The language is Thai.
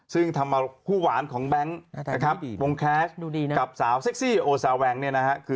ซึ่งทำมาคู่หวานของแบงค์โปรงแค๊กกับสาวเซ็กซี่โอซาแวงค์